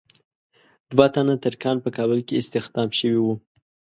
دوه تنه ترکان په کابل کې استخدام شوي وو.